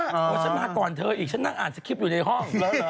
โอ้โหฉันมาก่อนเธออีกฉันนั่งอ่านสคริปต์อยู่ในห้อง